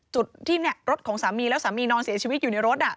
จุดที่รถของสามีแล้วสามีนอนเสียชีวิตอยู่ในรถ